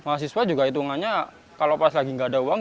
mahasiswa juga hitungannya kalau pas lagi nggak ada uang